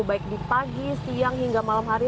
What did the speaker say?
baik di pagi siang hingga malam hari